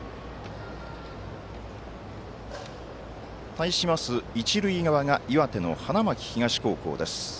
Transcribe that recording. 対します、一塁側が岩手の花巻東高校です。